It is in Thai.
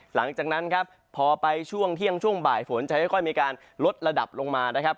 หลังจากนั้นครับพอไปช่วงเที่ยงช่วงบ่ายฝนจะค่อยมีการลดระดับลงมานะครับ